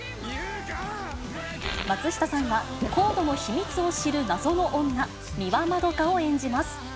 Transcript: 松下さんは、ＣＯＤＥの秘密を知る謎の女、三輪円を演じます。